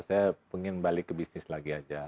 saya ingin balik ke bisnis lagi saja